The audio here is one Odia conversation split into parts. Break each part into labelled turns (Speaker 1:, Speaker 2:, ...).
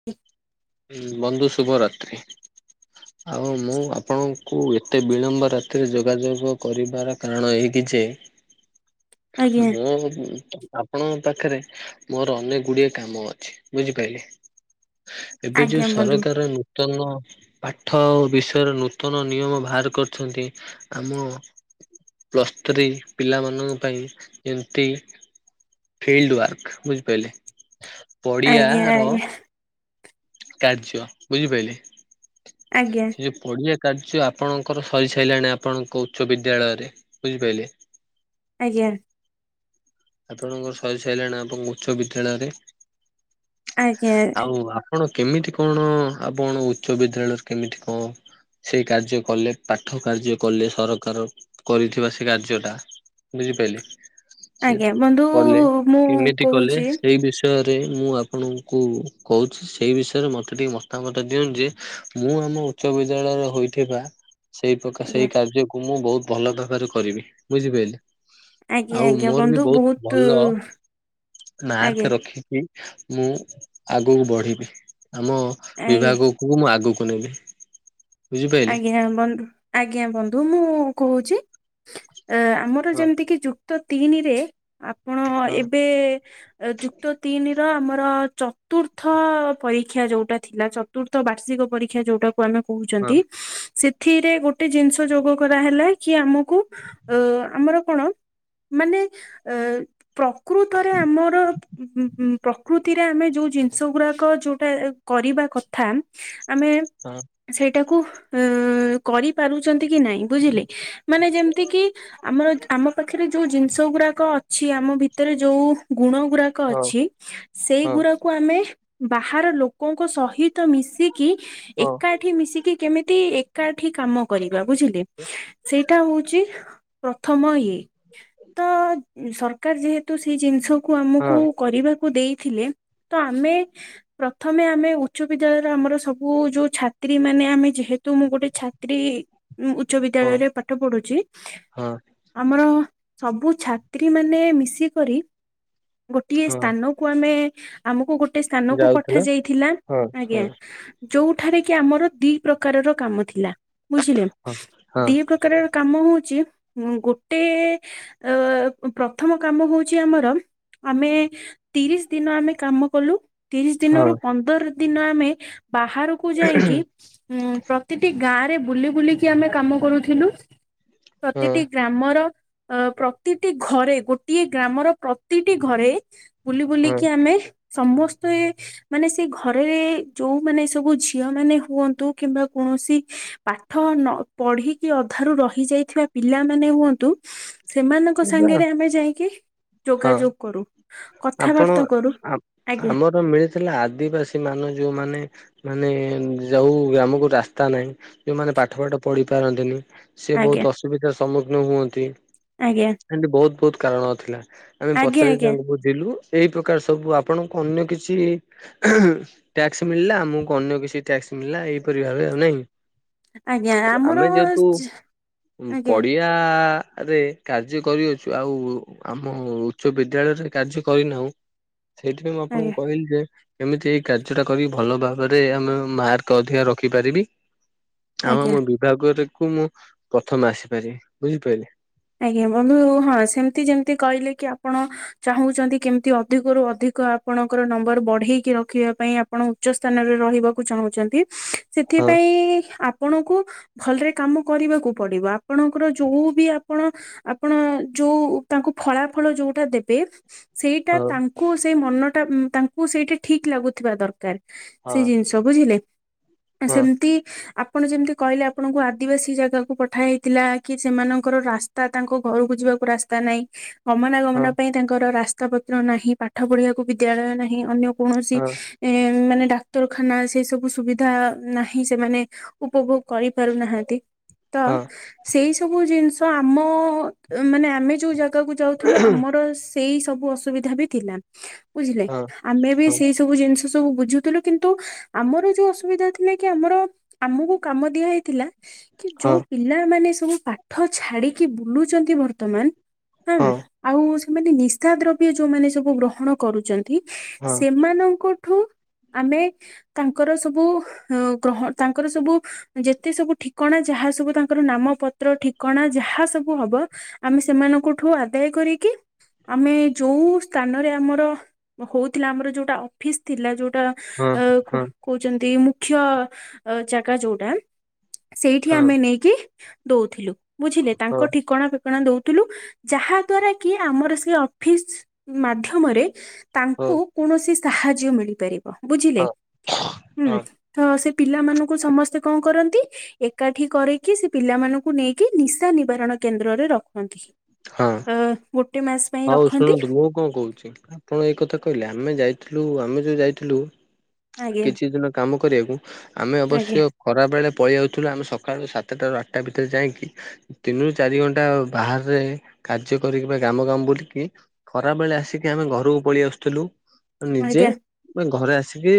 Speaker 1: [inaudible]
Speaker 2: ବନ୍ଧୁ ଶୁଭ ରାତ୍ରି। ଆଉ ମୁଁ ଆପଣଙ୍କୁ ଏତେ ବିଳମ୍ବ ରାତିରେ ଯୋଗାଯୋଗ କରିବାର କାରଣ ଏହିଇକି ଯେ
Speaker 1: ଆଜ୍ଞା
Speaker 2: ମୁଁ ଆମ୍ ଆପଣଙ୍କ ପାଖରେ ମୋର ଅନେକ ଗୁଡିଏ କାମ ଅଛି। ବୁଝିପାଇଲେ ଏବେ ଯୋଉ
Speaker 1: ଆଜ୍ଞା ବନ୍ଧୁ
Speaker 2: ସରକାର, ନୁ ନୂତନ ପାଠ ବିଷୟରେ, ନୂତନ ନିୟମ ବାହାର କରିଛନ୍ତି ଆମ ପ୍ଲସ୍ ଥ୍ରୀ ପିଲାମାନଙ୍କ ଏମତି ଫିଲ୍ଡ ୱାର୍କ ବୁଝିପାରିଲେ
Speaker 1: ଆଜ୍ଞା
Speaker 2: ପଡ଼ିଆର
Speaker 1: ଆଜ୍ଞା
Speaker 2: କାର୍ଯ୍ୟ ବୁଝିପାରିଲେ?
Speaker 1: ଆଜ୍ଞା।
Speaker 2: ଯେଉଁ ପଡ଼ିଆ କାର୍ଯ୍ୟ ଆପଣଙ୍କର ସରିସାରିଲାଣି ଆପଣଙ୍କ ଉଚ୍ଚ ବିଦ୍ୟାଳୟରେ ବୁଝିପାରିଲେ
Speaker 1: ଆଜ୍ଞା।
Speaker 2: ଆପଣଙ୍କର ସରି ସାରିଲାଣି ଆପଣଙ୍କ ଉଚ୍ଚ ବିଦ୍ୟାଳୟରେ।
Speaker 1: ଆଜ୍ଞା
Speaker 2: ଆଉ ଅ ଆପଣ କେମିତି କଣ, ଆପଣ ଉଚ୍ଚ ବିଦ୍ୟାଳୟରେ କେମିତି କଣ ସେଇ କାର୍ଯ୍ୟ କଲେ। ପାଠ କାର୍ଯ୍ୟ କଲେ। ସରକାର କରିଥିବା ସେ କାର୍ଯ୍ୟଟା? ବୁଝିପାଇଲି
Speaker 1: ଆଜ୍ଞା। ବନ୍ଧୁ ମୁଁ
Speaker 2: କଲେ
Speaker 1: କହୁଛି
Speaker 2: ସେଇ ବିଷୟରେ ମୁଁ ଆପଣଙ୍କୁ କହୁଛି ସେହି ବିଷୟରେ ମୋତେ ଟିକେ ମତାମତ ଦିଅନ୍ତୁ, ଯେ ମୁଁ ଆମ ଉଚ୍ଚ ବିଦ୍ୟାଳୟର ହୋଇଥିବା ସେଇ ପ୍ରକାର
Speaker 1: ଆଜ୍ଞା
Speaker 2: ସେଇ କାର୍ଯ୍ୟକୁ ମୁଁ ବହୁତ ଭଲ ଭାବରେ କରିବି। ବୁଝିପାରିଲେ?
Speaker 1: ଆଜ୍ଞା
Speaker 2: ଆଉ
Speaker 1: ଆଜ୍ଞା।
Speaker 2: ମୋର ବି
Speaker 1: ବନ୍ଧୁ
Speaker 2: ବହୁତ
Speaker 1: ବହୁ
Speaker 2: ଭଲ ମାର୍କ ରଖ ରଖିକି ମୁଁ ଆଗକୁ ବଢିବି, ଆମ
Speaker 1: ଆଜ୍ଞା
Speaker 2: ବିଭାଗ କୁ ମୁଁ ଆଗକୁ ନେବି। ବୁଝିପାଇଲେ?
Speaker 1: ଆଜ୍ଞା ବନ୍ଧୁ। ଆଜ୍ଞା ବନ୍ଧୁ। ମୁଁ କହୁଛି ଆମ
Speaker 2: ହଁ
Speaker 1: ଯେମିତି କି ଯୁକ୍ତ ତିନିରେ, ଆପଣ
Speaker 2: ହଁ
Speaker 1: ଏବେ ଯୁ କ୍ତ ତିନିର ଆମର ଚତୁର୍ଥ ପରୀକ୍ଷା ଯଉଟା ଥିଲା, ଚତୁର୍ଥ ବାର୍ଷିକ ପରୀକ୍ଷା ଯେଉଟା କୁ ଆମେ
Speaker 2: ହଁ
Speaker 1: କହୁଛନ୍ତି। ସେଥିରେ ଗୋଟେ ଜିନିଷ ଯୋଗ କରାହେଲା କି ଆମକୁ ଅ ଆମର କଣ ମାନେ ଅ ପ୍ରକୃତରେ ଆମର, ଉଁ-ଉଁ ପ୍ରକୃତିରେ ଆମେ ଯେଉଁ ଜିନିଷ ଗୁଡ଼ାକ ଯେଉଁଟା କରିବା କଥା, ଆମେ
Speaker 2: ହଁ।
Speaker 1: ସେଇଟାକୁ ଅ କରି ପାରୁଛନ୍ତି କି ନାଇଁ ବୁଝିଲେ ମାନେ ଯେମିତି କି ଆମର, ଆମ ପାଖରେ ଯୋଉ ଜିନିଷ ଗୁଡାକ ଅଛି ଆମ ଭିତରେ ଯୋଉ ଗୁଣ ଗୁଡାକ ଅଛି। ସେଇ
Speaker 2: ହଁ
Speaker 1: ଗୁରା କୁ ଆମେ ବାହାର ଲୋକଙ୍କ ସହିତ ମିଶିକି,
Speaker 2: ହଁ
Speaker 1: ଏକାଠି ମିଶିକି କେମି ଏକାଠି କାମ କରିବା, ବୁଝିଲେ ସେଇଟା ହଉଛି ପ୍ରଥମ ଇଏ ତ ସରକାର ଯେହେତୁ ସେଇ ଜିନିଷକୁ
Speaker 2: ହଁ
Speaker 1: ଆମକୁ
Speaker 2: ହଁ
Speaker 1: କରିବାକୁ ଦେଇଥିଲେ। ତ ଆମେ ପ୍ରଥମେ ଆମେ ଉଚ୍ଚ ବିଦ୍ୟାଳୟରେ ଆମର ସବୁ ଯୋଉ ଛାତ୍ରୀ ମାନେ, ଆମେ ଯେହେ ତ ମୁଁ ଗୋଟେ ଛାତ୍ରୀ ଉଚ୍ଚ
Speaker 2: ହଁ
Speaker 1: ବିଦ୍ୟାଳୟରେ ପାଠ ପଢୁଛି
Speaker 2: ହଁ
Speaker 1: ଆମର ସବୁ ଛାତ୍ରୀ ମାନେ ମିଶିକରି ଗୋଟିଏ
Speaker 2: ହଁ।
Speaker 1: ସ୍ଥାନକୁ କୁ ଆମେ ଆମକୁ ଗୋଟେ ସ୍ଥାନକୁୁ
Speaker 2: ଯାଉଥିଲ?
Speaker 1: ପଠାଯାଇଥିଲା।
Speaker 2: ହଁ ହଁ
Speaker 1: ଆଜ୍ଞା। ଯୋଉଠାରେ କି ଆମର ଦି ପ୍ରକାରର କାମ ଥିଲା। ବୁଝିଲେ
Speaker 2: ହଁ ହଁ
Speaker 1: ଦି ପ୍ର କାର କାମ ହଉଛି, ଗୋଟେ ଅ ପ୍ରଥମ କାମ ହଉଛି ଆମର, ଆମେ ତିରିଶ ଦିନ ଆମେ କାମ କଲୁ ତିରିଶ
Speaker 2: ହଁ
Speaker 1: ଦିନରୁ ପନ୍ଦର ଦିନ ଆମେ ବାହାରକୁ ଯାଇକି ଉଁ ପ୍ରତିଟି ଗାଁରେ ବୁଲି ବୁଲିକି ଆମେ କାମ କରୁଥିଲୁ।
Speaker 2: ହଁ।
Speaker 1: ପ୍ରତିଟି ଗ୍ରାମର ଅ ପ୍ରତିଟି ଘରେ ଗୋଟିଏ ଗ୍ରାମର ପ୍ରତିଟି ଘରେ ବୁଲି
Speaker 2: ହଁ
Speaker 1: ବୁଲିକି ଆମେ ସମସ୍ତେ ମାନେ ସେଇ ଘରେ ଯୋଉ ମାନେ ସବୁ ଝିଅ ମାନେ ହୁଅନ୍ତୁ। କିମ୍ବା କୌଣସି ପାଠ ନ ପଢିକି ଅଧାରୁ ରହି ଯାଇଥିବା ପିଲାମାନେ ହୁଅନ୍ତୁ। ସେମାନଙ୍କ ସାଙ୍ଗରେ ଆମେ ଯାଇକି
Speaker 2: ହଁ
Speaker 1: ଯୋଗାଯୋଗ କରୁ। କଥାବାର୍ତ୍ତା କରୁ ଆଜ୍ଞା।
Speaker 2: ଥିଲା ଆଦିବାସୀ ମାନ ଯୋଉମାନେ ମାନେ ଯଉ ଗ୍ରାମକୁ ରାସ୍ତା ନାହିଁ, ଯୋଉମାନେ ପାଠ ପାଠ ପଢି ପାରନ୍ତିନି ସେ
Speaker 1: ଆଜ୍ଞା
Speaker 2: ବହୁତ ଅସୁବିଧାର ସମ୍ମୁଖୀନ ହୁଅନ୍ତି।
Speaker 1: ଆଜ୍ଞା।
Speaker 2: ସେନ୍ତି ବହୁତ ବହୁତ କାରଣ ଥିଲା ଆମେ
Speaker 1: ଆଜ୍ଞା
Speaker 2: ପଚାର
Speaker 1: ଆଜ୍ଞା
Speaker 2: ତାଙ୍କୁ ବହୁ ବିଲୁ ଏଇ ପ୍ରକାର ସବୁ ଆପଣଙ୍କୁ ଅନ୍ୟ କିଛି ଟ୍ୟାକ୍ସ ମିଳିଲା ଆମକୁ ଅନ୍ୟ କିଛି ଟ୍ୟାକ୍ସ ମିଳିଲା ଏଇପରି ଭାବେ ଆଉ ନାଇଁ।
Speaker 1: ଆଜ୍ଞା
Speaker 2: ଆମେ
Speaker 1: ଆମର ଆଜ୍ଞା
Speaker 2: ଆ ରେ କାର୍ଯ୍ୟ କରିଅଛୁ ଆଉ ଆମ ଉଚ୍ଚ ବିଦ୍ୟାଳୟରେ କାର୍ଯ୍ୟ କରିନାହୁଁ। ସେଇଥିପାଇଁ ମୁଁ
Speaker 1: ଆଜ୍ଞା
Speaker 2: ଆପଣଙ୍କୁ କହିଲି ଯେ ଏମିତି ଏଇ କାର୍ଯ୍ୟଟା କରି ଭଲ ଭାବରେ ଆମେ ମାର୍କ ଅଧିକା ରଖିପାରିବି। ଆଁ
Speaker 1: ଆଜ୍ଞା
Speaker 2: ମୋ ବିଭାଗ କ ମୁଁ ପ୍ରଥମେ ଆସିପାରିବି ବୁଝିପାରିଲେ।
Speaker 1: ଆଜ୍ଞା ବନ୍ଧୁ ହଁ ସେମିତି ଯେମିତି କହିଲେ କି ଆପଣ ଚାହୁଁଚନ୍ତି କେମତି ଅଧିକରୁୁ ଅଧିକ ଆପଣଙ୍କର ନମ୍ବର ବଢେଇକି ରଖିବା ପାଇଁ ଆପଣ ଉଚ୍ଚ ସ୍ଥାନରେ ରହିବାକୁ ଚାହୁଁଚନ୍ତି।
Speaker 2: ହଁ
Speaker 1: ସେଥିପାଇଁ ଆପଣଙ୍କୁ ଭଲରେ କାମ କରିବାକୁ ପଡିବ। ଆପଣଙ୍କର ଯୋଉ ବି ଆ ଆପଣ ଆପଣ ଯୋଉ ତାଙ୍କୁ ଫଳାଫଳ ଯୋଉଟା ଦେବେ ସେଇଟା
Speaker 2: ହଁ
Speaker 1: ତା ଙ୍କୁ ସେଇ ମନଟା ଉଁ ତାଙ୍କୁ ସେଇଟା ଠିକ ଲାଗୁଥିବା ଦରକାର
Speaker 2: ହଁ
Speaker 1: ସେଇ ଜିନିଷ ବୁଝିଲେ। ଅ
Speaker 2: ହଁ
Speaker 1: ସେମିତି ଆ ଆପଣ ଯେମିତି କହିଲେ ଆପଣଙ୍କୁ ଆଦିବାସୀ ଜାଗାକୁ ପଠା ହେଇଥିଲା କି ସେମାନଙ୍କ ଙ୍କର ରାସ୍ତା ତାଙ୍କ ଘରକୁ ଯିବାକୁ ରାସ୍ତା ନାହିଁ ଗମନା
Speaker 2: ହଁ
Speaker 1: ଗମନ ପାଇଁ ତାଙ୍କର ରାସ୍ତା ପତ୍ର ନାହିଁ ପାଠ ପଢିବାକୁ ବିଦ୍ୟାଳୟ ନାହିଁ ଅନ୍ୟ କୌଣସି
Speaker 2: ହଁ
Speaker 1: ଏ ମାନେ ଡାକ୍ତରଖାନା ସେ ସବୁ ସୁବିଧା ନାହିଁ। ସେମାନେ ଉପଭୋଗ କରିପାରୁନାହାନ୍ତି। ତ
Speaker 2: ହଁ
Speaker 1: ସେଇ ସବୁ ଜିନିଷ ଆମ ମାନେ ଆମେ ଯୋଉ ଜାଗା ପ୍ତ କୁ ଯାଉଥିଲୁ। ଆମର ସେଇ ସବୁ ଅସୁବିଧା ବି ଥିଲା ବୁଝିଲେ।
Speaker 2: ହଁ।
Speaker 1: ଆମେ ବି ସେଇ ସବୁ ଜିନିଷ ସବୁ ବୁଝୁଥିଲୁ କିନ୍ତୁ ଆମର ଯୋଉ ଅସୁବିଧା ଥିଲା କି ଆମର ଆମକୁ କାମ ଦିଆ ହେଇଥିଲା। କି ଯୋଉ ପିଲାମାନୋନ ସବୁ ପାଠ ଛାଡିକି ବୁଲୁଛନ୍ତି ବର୍ତ୍ତମାନ ହଁ ଆଉ ସେମାନେ ନିଶା ଦ୍ରବ୍ୟ ଯୋଉମାନେ ସବୁ ଗ୍ରହଣ କରୁଚନ୍ତି, ସେମାନଙ୍କଠୁ ଆମେ ତାଙ୍କର ସବୁ ଅ ଗ୍ରହ ତାଙ୍କର ସବୁ ଯେତେ ସବୁ ଠିକଣା ଯାହା ସବୁ ତାଙ୍କର ନାମ ପତ୍ର ଠିକ କଣା ଯାହା ସବୁ ହବ, ଆମେ ସେମାନଙ୍କଠୁ ଆଦାୟ କରିକି ଆମେ ଯଉଁ ସ୍ଥାନରେ ଆମର ହଉଥିଲା ଆମର ଯୋଉଟା ଅଫିସ ଥିଲା ଯଉଟା
Speaker 2: ହଁ ହଁ।
Speaker 1: କହୁଚନ୍ତି ମୁଖ୍ୟ ଜାଗା ଯୋଉଟା, ସେଇଠି ଆମେ ନେଇକି ବି ଦଉଥିଲୁ ବୁଝିଲେ ତାଙ୍କ ଠିକଣା ଣା ଦଉଥିଲୁ ଯାହା ଦ୍ଵାରା କି ଆମର ସେ ଅଫିସ ମାଧ୍ୟମରେ ତାଙ୍କୁ କୌଣସି ସାହାଯ୍ୟ ମିଳିପାରିବ ବୁଝିଲେ, ହୁଁ। ତ ସେ ପିଲାମାନଙ୍କୁ ସମସ୍ତେ କଣ କରନ୍ତି ଏକାଠି କରକି ସେ ପିଲାମାନଙ୍କୁ ନେଇ କି ନିଶା ନିବାରଣ କେନ୍ଦ୍ରରେ ରଖନ୍ତି ଅ ଗୋଟେ ମାସ ପାଇଁ
Speaker 2: ହଁ ହଉ
Speaker 1: ରଖନ୍ତି।
Speaker 2: ଶୁଣନ୍ତୁ ମୁଁ କଣ କହୁଚି, ଆପଣ ଏଇ କଥା କହିଲେ ଆମେ ଯାଇଥିଲୁ ଆମେ ଯୋଉ ଯାଇଥିଲୁ
Speaker 1: ଆଜ୍ଞା
Speaker 2: କିଛି ଦିନ କାମ କରିବାକୁ ଆମେ
Speaker 1: ଆଜ୍ଞା
Speaker 2: ଅବଶ୍ୟ ଖରାବେଳେ ପଳେଇଯାଉଥିଲୁ ଆମେ ସକାଳୁ ସାତଟାରୁ ଆଠଟା ଭିତରେ ଯାଇକି। ତିନି ରୁ ଚାରି ଘଣ୍ଟା ବାହରେ କାର୍ଯ୍ୟ କରିକି ବା ଗ୍ରାମ ଗ୍ରାମ ବୁଲିକି ଖରା ବେଳେ ଆସିକି ଆମେ ଘରକୁ ପଳେଇ ଆସୁଥିଲୁ। ନିଜେ
Speaker 1: ଆଜ୍ଞା
Speaker 2: ଘରେ ଆସିକି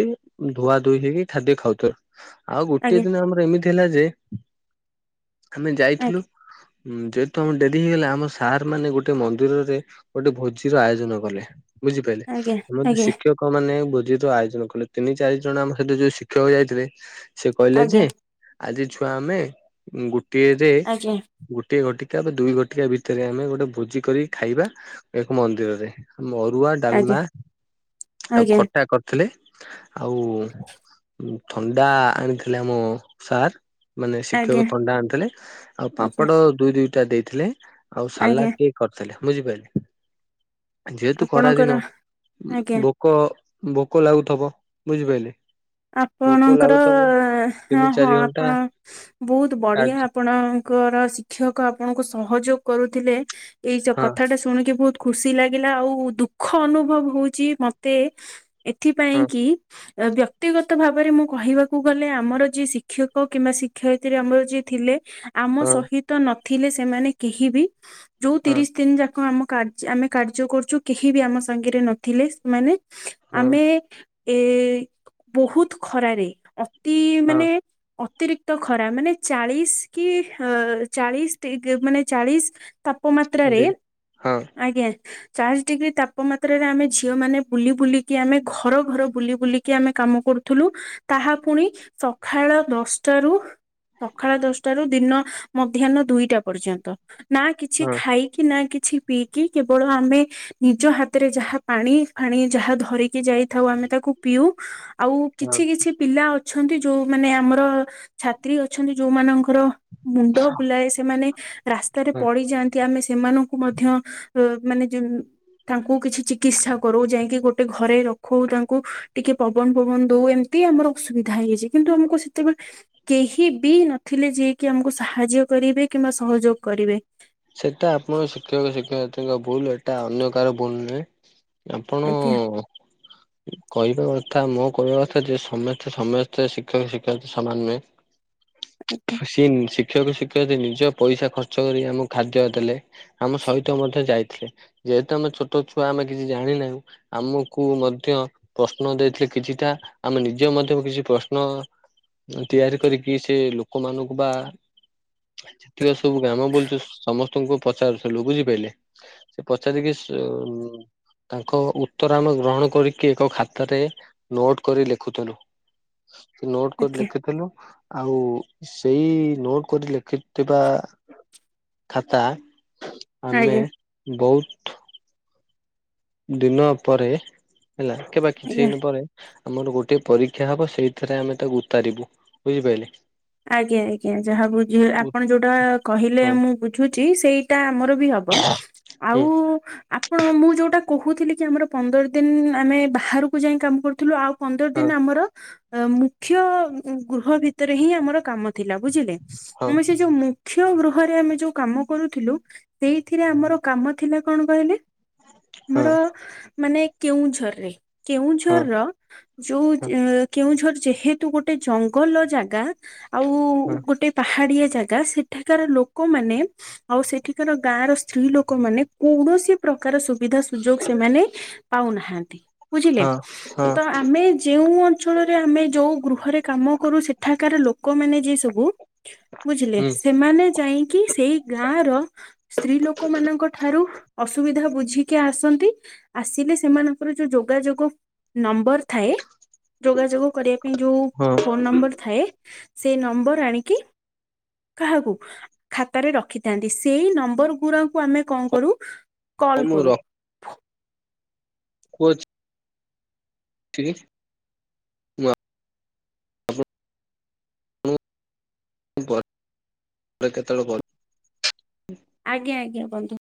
Speaker 2: ଧୁଆ ଧୋଇ ହେଇକି ଖାଦ୍ୟ ଖାଉଥିଲୁ। ଆଉ ଗୋଟିଏ
Speaker 1: ଆଜ୍ଞା
Speaker 2: ଦିନ ଆମର ଏମିତି ହେଲା ଯେ ଆମେ ଯାଇଥିଲୁ। ହୁଁ ଯେହେତୁ ଆମ ଢ଼େ ହେଇଗଲା ଆମ ସାର୍ ମାନେ ଗୋଟେ ମନ୍ଦିରରେ ଗୋଟେ ଭୋଜିର ଆୟୋଜନ କଲେ। ବୁଝିପାରିଲେ
Speaker 1: ଆଜ୍ଞା
Speaker 2: ଆମର
Speaker 1: ଆଜ୍ଞା
Speaker 2: ଯ ଶିକ୍ଷକ ଲୋକ ମାନେ ଭୋଜି ର ଆୟୋଜନ କଲେ ତିନି ଚାରି ଜଣ ଆମ ସହିତ ଯୋଉ ଶିକ୍ଷକ ଯାଇଥିଲେ ସେ କହିଲେ
Speaker 1: ଆଜ୍ଞା
Speaker 2: ଯେ ଆଜି ଛୁଆ ଆମେ ଗୋଟିଏରେ
Speaker 1: ଆଜ୍ଞା
Speaker 2: ଗୋଟିଏ ଘଟିକା ବା ଦୁଇ ଘଟା ଏହା ଭିତରେ ଆମେ ଗୋଟେ ଭୋଜି କରି ଖାଇବା ଏକ ମନ୍ଦିରରେ ମରୁଆ
Speaker 1: ଆଜ୍ଞା
Speaker 2: ଡାଲମା ଆଉ
Speaker 1: ଆଜ୍ଞା
Speaker 2: ଖଟା ଖ ଥିଲେ ଆଉ ଥଣ୍ଡା ଆଣିଥିଲେ ଆମ ସାର୍। ମାନେ ଶିକ୍ଷକ
Speaker 1: ଆଜ୍ଞା
Speaker 2: ଥଣ୍ଡା ଆଣିଥିଲେ ଆଉ
Speaker 1: ଆଜ୍ଞା
Speaker 2: ପାମ୍ପଡ଼ ଦୁଇ ଦୁଇଟା ଦେଇଥିଲେ ଆଉ
Speaker 1: ଆଜ୍ଞା
Speaker 2: ସାଲାଟ ଟେ କରିଥିଲେ ବୁଝିପାଇଲେ ଯେହେତୁ ଖରା ଦିନ
Speaker 1: ଆପଣଙ୍କର ଆଜ୍ଞା
Speaker 2: ପୋକ ଭୋକ ଲାଗୁଥିବ ବୁଝିପାରିଲେ? ଭୋକ
Speaker 1: ଆପଣଙ୍କର
Speaker 2: ଲାଗୁଥବ
Speaker 1: ହ
Speaker 2: ତିନି
Speaker 1: ହଁ
Speaker 2: ଚାରି ଘଣ୍ଟା
Speaker 1: ଆପଣ ବହୁତ ବଢିଆ
Speaker 2: କାର୍ଯ୍ୟ
Speaker 1: ଆପଣଙ୍କର ଶିକ୍ଷକ ଆପଣଙ୍କୁ ସହଯୋଗ କରୁଥିଲେ ଏଇ
Speaker 2: ହଁ
Speaker 1: କଥା ଟା ଶୁଣିକି ବହୁତ ଖୁସି ଲାଗିଲା ଆଉ ଦୁଃଖ ଅନୁଭବ ହଉଚି ମତେ ଏଥିପାଇଁ
Speaker 2: ହଁ
Speaker 1: କି ଏ ଦିୟ ବ୍ୟକ୍ତିଗତ ଭାବରେ ମୁଁ କହିବାକୁ ଗଲେ ଆମର ଯିଏ ଶିକ୍ଷକ କିମ୍ବା ଶିକ୍ଷୟିତ୍ରୀ ଆମର ଯିଏ ଥିଲେ। ଆମ
Speaker 2: ହଁ
Speaker 1: ସହିତ ନଥିଲେ ସେମାନେ କେହି ବି ଯୋଉ
Speaker 2: ହଁ
Speaker 1: ତିରିଶ ଦିନ ଯାକ ଆମ କା ଆମେ କାର୍ଯ୍ୟ କରୁଛୁ କେହି ବି ଆମ ସାଙ୍ଗରେ ନଥିଲେ ସେମାନେ
Speaker 2: ହଁ
Speaker 1: ଆମେ ଏ ବହୁତ ଖରାରେ ଅତି ମାନେ
Speaker 2: ହଁ
Speaker 1: ଅତିରିକ୍ତ ଖରା ମାନେ ଚାଳିଶ କି ଅ ଚାଳିଶ ମାନେ ଚାଳିଶ ତାପମାତ୍ରାରେ
Speaker 2: ଦି ହଁ
Speaker 1: ଆଜ୍ଞା। ଚାଳିଶ ଡିଗ୍ରୀ ତାପମାତ୍ରାରେ ଆମେ ଝିଅ ମାନେ ବୁଲି ବୁଲିକି ଆମେ ଘର ଘର ବୁଲି ବୁଲିକି ଆମେ କାମ କରୁଥିଲୁ ତାହା ପୁଣି ସକାଳ ଦଶଟାରୁ- ସକାଳ ଦଶଟାରୁ ଦିନ ମଧ୍ୟାହ୍ନ ଦୁଇଟା ପର୍ଯ୍ୟନ୍ତ ନା କିଛି
Speaker 2: ହଁ
Speaker 1: ଖାଇି କି ନା କିଛି ପିଇକି କେବଳ ଆମେ ନିଜ ହାତରେ ଯାହା ପାଣି ଫାଣି ଯାହା ଧରିକି ଯାଇଥାଉ ଆମେ ତାକୁ ପିଉ। ଆଉ
Speaker 2: ହଁ
Speaker 1: କିଛି କିଛି ପିଲା ଅ ଅଛନ୍ତି ଯୋଉ ମାନେ ଆମର ଛାତ୍ରୀ ଅଛନ୍ତି ଯୋଉମାନଙ୍କର ମୁଣ୍ଡ ବୁଲାଏ ସେମାନେ ରାସ୍ତାରେ
Speaker 2: ହଁ।
Speaker 1: ପଡିଯାଆନ୍ତି ଆମେ ସେମାନଙ୍କୁ ମଧ୍ୟ ଅ ମାନେ ଯେ ତାଙ୍କୁ କିଛି ଚିକିତ୍ସା କରୁ ଯାଇକି ଗୋଟେ ଘରେ ରଖୁ ତାଙ୍କୁ ଟିକେ ପବନ ଫବନ ଦଉ ଏମିତି ଆମର ଅସୁବିଧା ହେଇଯାଇଛି କିନ୍ତୁ ଆମକୁ ସେତେବେଳେ କେହି ବି ନଥିଲେ ଯିଏକି ଆମକୁ ସାହାଯ୍ୟ କରିବେ କିମ୍ବା ସହଯୋଗ କରିବେ।
Speaker 2: ସେଇଟା ଆପଣ ଶିକ୍ଷକ ଶିକ୍ଷୟତ୍ରୀ ଭୁଲ ଏଟା ଅନ୍ୟ କାହାର ଭୁଲ ନୁହେଁ। ଆପଣ
Speaker 1: ଆଜ୍ଞା
Speaker 2: କହିବା କଥା ମୋ କହିବା କଥା ଯେ ସମସ୍ତେ ସମସ୍ତେ ଶିକ୍ଷକ ଶିକ୍ଷୟ ସମାନ ନୁହେଁ। ସିଏ ଶିକ୍ଷକ ଶିକ୍ଷୟତ୍ରୀ ନିଜ ପଇସା ଖର୍ଚ୍ଚ କରି ଆମକୁ ଖାଦ୍ୟ ଦେଲେ। ଆମ ସହିତ ମଧ୍ୟ ଯାଇଥିଲେ ଯେହେତୁ ଆମ ଛୋଟ ଛୁଆ ଆମେ କିଛି ଜାଣିନାହୁଁ। ଆମକୁ ମଧ୍ୟ ପ୍ରଶ୍ନ ଦେଇଥିଲେ କିଛିଟା ଆମେ ନିଜେ ମଧ୍ୟ କିଛି ପ୍ରଶ୍ନ ତିଆରି କରିକି ସେ ଲୋକମାନଙ୍କୁ ବା ସବୁ ଗ୍ରାମ ବୁଲଛୁ ସମସ୍ତଙ୍କୁ ପଚାରୁଥିଲୁ ବୁଝିପାରିଲେ ସେ ପଚାରିକି ସେ ତାଙ୍କ ଉତ୍ତର ଆମେ ଗ୍ରହଣ କରିକି ଏକ ଖାତାରେ ନୋଟ୍ କରି ଲେଖୁଥିଲୁ। ନୋଟ୍ କରି
Speaker 1: ଆଜ୍ଞା
Speaker 2: ଲେଖିଥିଲୁ ଆଉ ସେଇ ନୋଟ୍ କରି ଲେଖିଥିବା ଖାତା ଆମେ
Speaker 1: ଆଜ୍ଞା
Speaker 2: ବହୁ ଦିନ ପରେ ହେଲା କେ ବା କିଛି
Speaker 1: ଆଜ୍ଞା।
Speaker 2: ଦିନ ପରେ ଆମର ଗୋଟେ ପରୀକ୍ଷା ହବ ସେଇଥିରେ ଆମେ ତାକୁ ଉତାରିବୁ ବୁଝିପାରିଲେ।
Speaker 1: ଆଜ୍ଞା ଆଜ୍ଞା ଯାହା ବୁଝ
Speaker 2: ଉ
Speaker 1: ଆପଣ ଯୋଉଟା କହିଲେ
Speaker 2: ହଁ
Speaker 1: ମୁଁ ବୁଝୁଛି ସେଇଟା ଆମର ବି ହବ। ବ ଆଉ
Speaker 2: ହୁଁ
Speaker 1: ହଁ କଣ ମୁଁ ଯୋଉଟା କହୁଥିଲି କି ଆମର ପନ୍ଦର ଦିନ ଆମେ ବାହାରକୁ ଯାଇ କାମ କରୁଥିଲୁ ଆଉ ପନ୍ଦର
Speaker 2: ହଁ
Speaker 1: ଦିନ ଆମର ମୁଖ୍ୟ ଗୃହ ଭିତରେ ହିଁ ଆମର କାମ ଥିଲା ବୁଝିଲେ
Speaker 2: ହଁ
Speaker 1: ଆମେ ସେ ଯୋଉ ମୁଖ୍ୟ ଗୃହରେ ଆମେ ଯୋଉ କାମ କରୁଥିଲୁ ସେଇଥିରେ ଆମର କାମ ଥିଲା କଣ କହିଲେ?
Speaker 2: ହଁ
Speaker 1: ଆମର ମାନେ କେଉଁଝରରେ କେଉଁଝର
Speaker 2: ହଁ
Speaker 1: ର ଯୋଉ
Speaker 2: ହଁ
Speaker 1: କେଉଁଝର ଯେହେତୁ ଗୋଟେ ଜଙ୍ଗଲ ଜାଗା ଆଉ
Speaker 2: ହଁ
Speaker 1: ଗୋଟେ ପାହାଡିଆ ଜାଗା ସେଠାକାର ଲୋକମାନେ ଆଉ ସେଠିକାର ଗାଁ ର ସ୍ତ୍ରୀ ଲୋକ ମାନେ କୌଣସି ପ୍ରକାର ସୁବିଧା ସୁଯୋଗ ସେମାନେ ପାଉନାହାନ୍ତି ବୁଝିଲେ।
Speaker 2: ହଁ ହଁ
Speaker 1: ତ ଆମେ ଯେଉଁ ଅଞ୍ଚଳରେ ଆମେ ଯୋଉ ଗୃହରେ କାମ କରୁ ସେଠାକାର ଲୋକମାନେ ଯିଏ ସବୁ ବୁଝିଲେ
Speaker 2: ହୁଁ
Speaker 1: ସେମାନେ ଯାଇଁକି ସେଇ ଗାଁ ର ସ୍ତ୍ରୀ ଲୋକ ମାନଙ୍କ ଠାରୁ ଅସୁବିଧା ବୁଝିକି ଆସନ୍ତି ଆସିଲେ ସେମାନଙ୍କର ଯୋଉ ଯୋଗାଯୋଗ ନମ୍ବର ଥାଏ ଯୋଗାଯୋଗ କରିବା ପାଇଁ ଯୋଉ
Speaker 2: ହଁ
Speaker 1: ଫୋନ ନମ୍ବର ଥାଏ। ସେ ନମ୍ବର ଆଣିକି କାହାକୁ ଖାତାରେ ରଖିଥାନ୍ତି ସେଇ ନମ୍ବର ଗୁଡାକୁ ଆମେ କଣ କରୁ
Speaker 2: ହଉ
Speaker 1: କଲ
Speaker 2: ମୁଁ
Speaker 1: କରୁ।
Speaker 2: କହୁଛି ଠିକି। [unintelligible] କେତେବେଳେ
Speaker 1: ଆଜ୍ଞ ଆଜ୍ଞା ବନ୍ଧୁ।